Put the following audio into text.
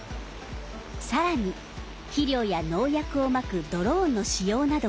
さらに肥料や農薬をまくドローンの使用などもバックアップ。